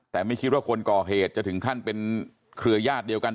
แต่ไม่คิดว่าคนก่อเหตุจะถึงขั้นเป็นเครือญาติเดียวกัน